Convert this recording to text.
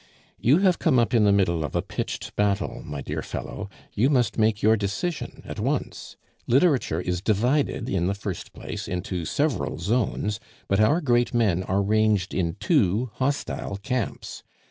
"You have come up in the middle of a pitched battle, my dear fellow; you must make your decision at once. Literature is divided, in the first place, into several zones, but our great men are ranged in two hostile camps.